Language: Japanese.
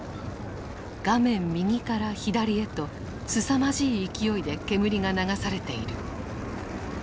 画面右から左へとすさまじい勢いで煙が流されている。